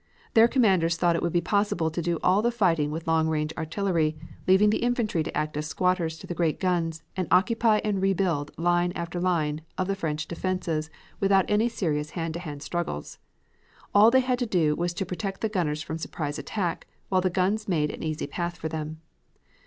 Their commanders thought it would be possible to do all the fighting with long range artillery, leaving the infantry to act as squatters to the great guns and occupy and rebuild line after line of the French defenses without any serious hand to hand struggles. All they had to do was to protect the gunners from surprise attack, while the guns made an easy path for them.